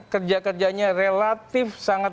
kerja kerjanya relatif sangat